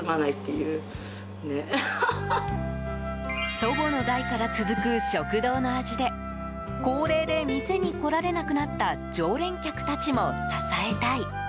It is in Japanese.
祖母の代から続く食堂の味で高齢で店に来られなくなった常連客たちも支えたい。